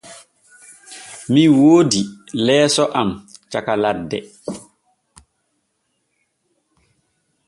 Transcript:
Min woodi leeso am caka ladde.